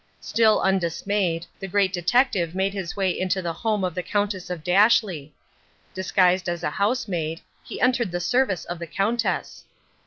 Still undismayed, the Great Detective made his way into the home of the Countess of Dashleigh. Disguised as a housemaid, he entered the service of the Countess.